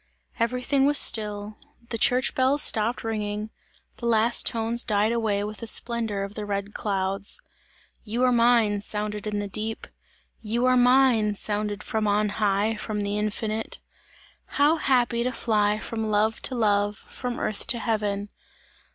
Everything was still; the church bells stopped ringing; the last tones died away with the splendour of the red clouds. "You are mine!" sounded in the deep. "You are mine!" sounded from on high, from the infinite. How happy to fly from love to love, from earth to heaven!